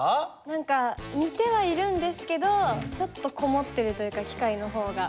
何か似てはいるんですけどちょっと籠もってるというか機械の方が。